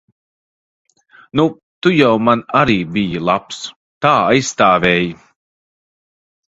Nu, tu jau man arī biji labs. Tā aizstāvēji.